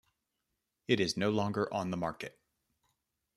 It is no longer on the market.